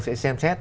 sẽ xem xét